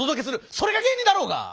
それが芸人だろうが！